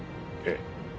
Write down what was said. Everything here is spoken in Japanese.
ええ。